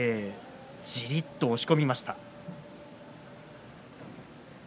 じりっと押し込みました。